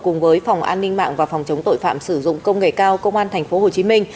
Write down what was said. cùng với phòng an ninh mạng và phòng chống tội phạm sử dụng công nghệ cao công an tp hcm